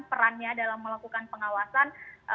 perannya dalam melakukan pengawasan